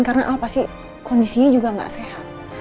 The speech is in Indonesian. karena al pasti kondisinya juga gak sehat